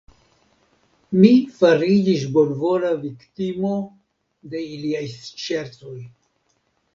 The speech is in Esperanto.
Mi fariĝis bonvola viktimo de iliaj ŝercoj.